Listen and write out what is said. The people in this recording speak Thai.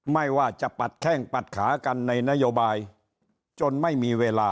ไม่ว่าจะปัดแข้งปัดขากันในนโยบายจนไม่มีเวลา